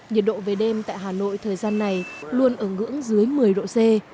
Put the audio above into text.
nhiệt độ về đêm tại hà nội thời gian này luôn ở ngưỡng dưới một mươi độ c